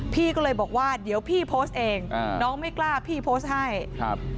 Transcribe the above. พี่ก็เลยบอกว่าเดี๋ยวพี่โพสต์เองอ่าน้องไม่กล้าพี่โพสต์ให้ครับ